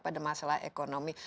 pada masalah ekonomi